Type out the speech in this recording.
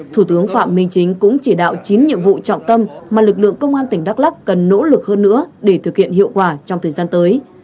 thủ tướng phạm minh chính cũng chỉ đạo chín nhiệm vụ trọng tâm mà lực lượng công an tỉnh đắk lắc cần nỗ lực hơn nữa để thực hiện hiệu quả trong thời gian tới